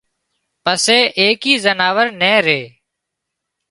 پسي ايڪئي زناور نين ري